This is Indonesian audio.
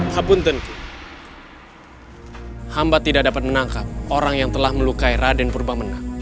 hapuntenki hamba tidak dapat menangkap orang yang telah melukai raden purwamena